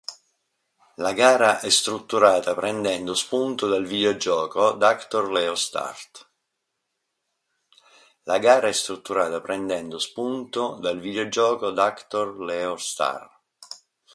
La gara è strutturata prendendo spunto dal videogioco "Doctor Leo Star".